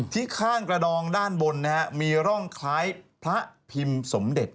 ข้างกระดองด้านบนมีร่องคล้ายพระพิมพ์สมเด็จ